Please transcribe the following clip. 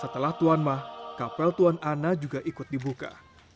setelah tuan ma kapel tuan ana juga ikut dibuka